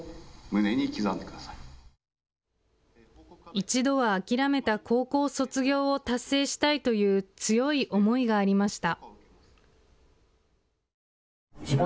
一度は諦めた高校卒業を達成したいという強い思いがありました。